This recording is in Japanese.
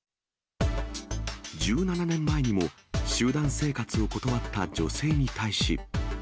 １７年前にも集団生活を断った女性に対し。